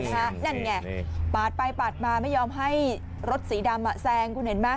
นั่นไงปาดไปปาดมาไม่ยอมให้รถสีดำแซงคุณเห็นไหม